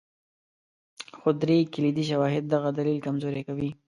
خو درې کلیدي شواهد دغه دلیل کمزوری کوي.